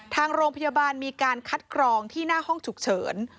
ทางโรงพยาบาลมีการคัดกรองที่หน้าห้องฉุกเฉิน